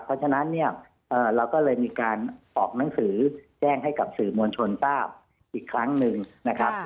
เพราะฉะนั้นเนี่ยเราก็เลยมีการออกหนังสือแจ้งให้กับสื่อมวลชนทราบอีกครั้งหนึ่งนะครับ